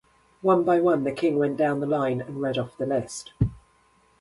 One by one the king went down the line and read off the list.